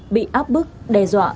bị áp bức đe dọa